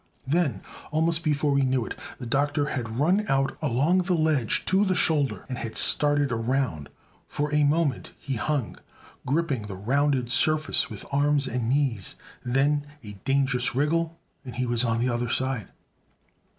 Then, almost before we knew it, the Doctor had run out along the ledge to the shoulder and had started around. For a moment he hung, griping the rounded surface with arms and knees; then a dangerous wriggle and he was on the other side.